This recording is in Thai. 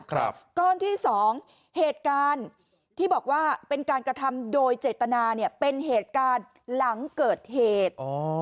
ก้อนที่สองเหตุการณ์ที่บอกว่าเป็นการกระทำโดยเจตนาเนี่ยเป็นเหตุการณ์หลังเกิดเหตุ